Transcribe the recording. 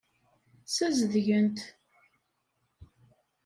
Ssazedgen-t.